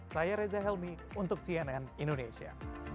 saya reza helmi untuk cnn indonesia